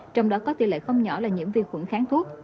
trong đó có tỷ lệ không nhỏ là nhiễm vi khuẩn kháng thuốc